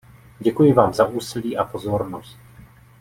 Děkuji vám za úsilí a pozornost.